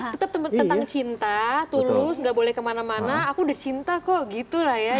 tetap tentang cinta tulus gak boleh kemana mana aku udah cinta kok gitu lah ya